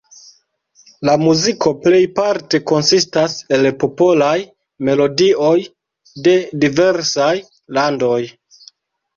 La muziko plejparte konsistas el popolaj melodioj de diversaj landoj.